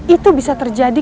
itu bisa terjadi